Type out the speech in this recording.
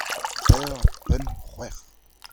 Pevar, pemp, c'hwec'h.